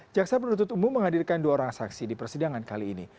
jaksa penuntut umum menghadirkan dua orang saksi di persidangan kali ini